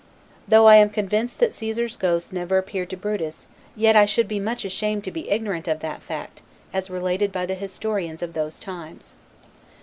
Though I am convinced that Caesar's ghost never appeared to Brutus, yet I should be much ashamed to be ignorant of that fact, as related by the historians of those times.